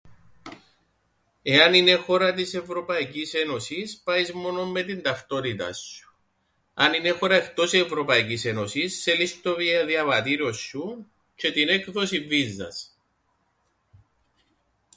Εάν είναι χώρα της Ευρωπαϊκής Ένωσης, πάεις μόνο με την ταυτότηταν σου. Αν είναι χώρα εκτός Ευρωπαϊκής Ένωσης, θέλεις το διαβατήριον σου τζ̆αι την έκδοσην βίζας.